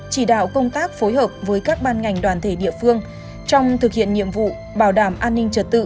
chỉ đạo công tác phối hợp với các ban ngành đoàn thể địa phương trong thực hiện nhiệm vụ bảo đảm an ninh trật tự